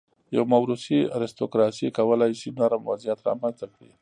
یوه موروثي ارستوکراسي کولای شي نرم وضعیت رامنځته کړي.